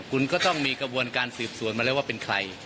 คุณก็ต้องมีกระบวนการสืบสวนมาแล้วว่าเป็นใคร